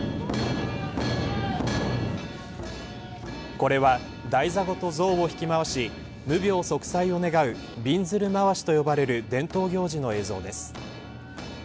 これは台座ごと像を引き回し無病息災を願うびんずる廻しと呼ばれる伝統行事の映像です。